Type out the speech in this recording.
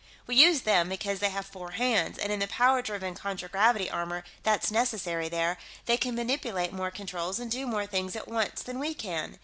We use them because they have four hands, and in the power driven contragravity armor that's necessary there, they can manipulate more controls and do more things at once than we can.